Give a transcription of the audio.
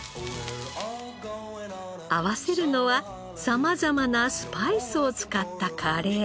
合わせるのは様々なスパイスを使ったカレー。